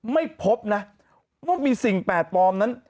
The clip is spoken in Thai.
ไม่พบนะว่ามีสิ่งแปลกปลอมนั้น